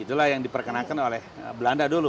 itulah yang diperkenalkan oleh belanda dulu